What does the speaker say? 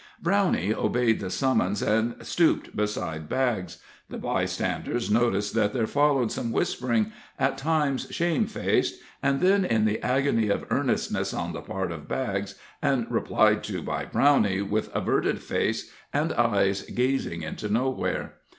Brownie obeyed the summons, and stooped beside Baggs. The bystanders noticed that there followed some whispering, at times shame faced, and then in the agony of earnestness on the part of Baggs, and replied to by Brownie with averted face and eyes gazing into nowhere.